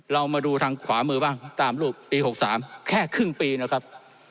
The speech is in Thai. เรามาดูทางขวามือบ้างตามรูปปี๖๓แค่ครึ่งปีนะครับ